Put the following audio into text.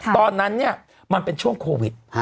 ตอนนั้นเนี่ยมันเป็นช่วงโควิด